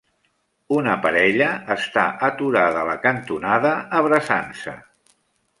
Una parella està aturada a la cantonada abraçant-se.